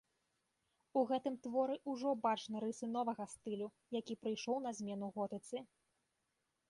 У гэтым творы ўжо бачны рысы новага стылю, які прыйшоў на змену готыцы.